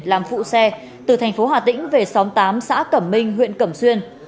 làm phụ xe từ thành phố hà tĩnh về xóm tám xã cẩm minh huyện cẩm xuyên